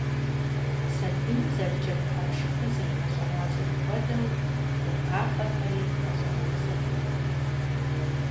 Сабийм зэрыджэгу хьэпшыпыр зэригъэщӀэращӀэм хуэдэу, гугъапӀэхэри дгъэщӀэращӀэурт.